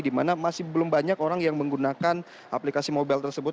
di mana masih belum banyak orang yang menggunakan aplikasi mobile tersebut